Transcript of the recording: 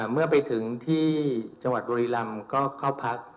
เมื่อไปถึงที่จังหวัดบุรีรำก็เข้าพัก